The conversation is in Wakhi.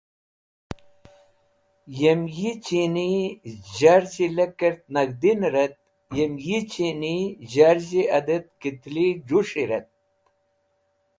Yem yi chini zharzhi lekert nag̃hdiner et yem yi chini zharzhi adet kitli j̃us̃hi ret.